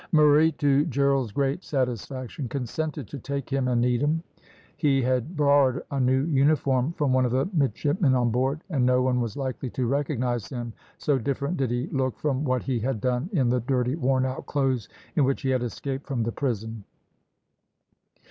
Murray, to Gerald's great satisfaction, consented to take him and Needham. He had borrowed a new uniform from one of the midshipmen on board, and no one was likely to recognise him, so different did he look from what he had done in the dirty worn out clothes in which he had escaped from the prison.